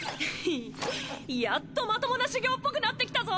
やっとマトモな修行っぽくなってきたぞ！